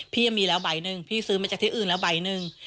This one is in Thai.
พี่มีแล้วใบหนึ่งพี่ซื้อมาจากที่อื่นแล้วใบหนึ่ง